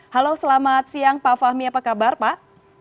halo selamat siang pak fahmi apa kabar pak